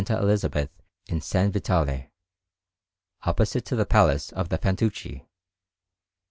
Elizabeth in S. Vitale, opposite to the Palace of the Fantucci.